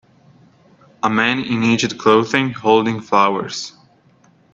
A man in aged clothing holding flowers